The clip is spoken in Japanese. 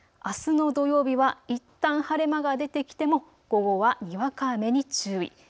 あすの土曜日はいったん晴れ間が出てきても午後はにわか雨に注意。